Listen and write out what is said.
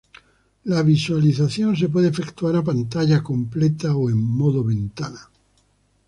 La visualización se puede efectuar a pantalla completa o en modo ventana.